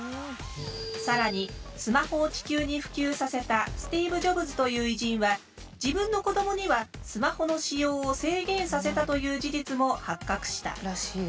更にスマホを地球に普及させたスティーブ・ジョブズという偉人は自分の子どもにはスマホの使用を制限させたという事実も発覚した。